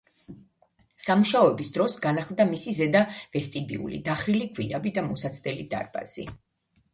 სამუშაოების დროს, განახლდა მისი ზედა ვესტიბიული, დახრილი გვირაბი და მოსაცდელი დარბაზი.